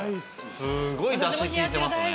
すごいダシ効いてますね。